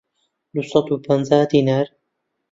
دوو سەد و پەنجا دینار